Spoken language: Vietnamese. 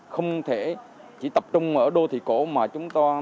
không thể chỉ tập trung ở đô thị cổ mà chúng ta